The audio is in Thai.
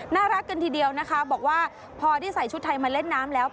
น่ารักกันทีเดียวนะคะบอกว่าพอได้ใส่ชุดไทยมาเล่นน้ำแล้ว